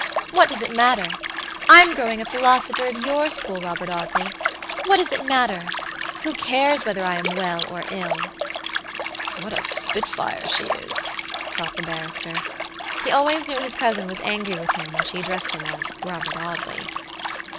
"What does it matter? I'm growing a philosopher of your school, Robert Audley. What does it matter? Who cares whether I am well or ill?" "What a spitfire she is," thought the barrister. He always knew his cousin was angry with him when she addressed him as "Robert Audley."